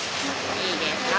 いいですか？